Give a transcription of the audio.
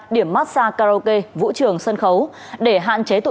điểm massage karaoke vũ trường sân khấu